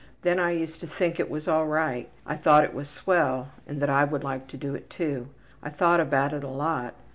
Then I used to think it was all right. I thought it was swell and that I would like to do it too. I thought about it a lot.